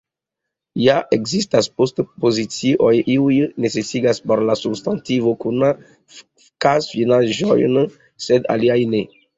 Ja ekzistas post-pozicioj; iuj necesigas por la substantivo kunan kazfinaĵon, sed aliaj ne.